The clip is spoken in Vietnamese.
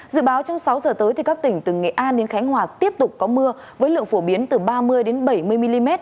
dự báo trong sáu giờ tới các tỉnh từ nghệ an đến khánh hòa tiếp tục có mưa với lượng phổ biến từ ba mươi bảy mươi mm